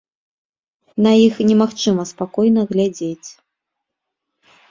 На іх немагчыма спакойна глядзець!